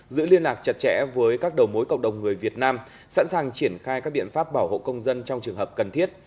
giữ liên lạc chặt chẽ với các đầu mối cộng đồng người việt nam sẵn sàng triển khai các biện pháp bảo hộ công dân trong trường hợp cần thiết